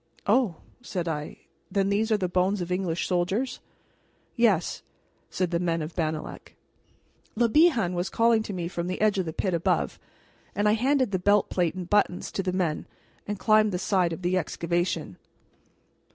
"Oh!" said I; "then these are the bones of English soldiers?" "Yes," said the men of Bannalec. Le Bihan was calling to me from the edge of the pit above, and I handed the belt plate and buttons to the men and climbed the side of the excavation.